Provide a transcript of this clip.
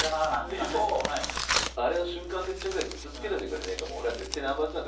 でも「あれを瞬間接着剤でずっとつけといてくれねえか。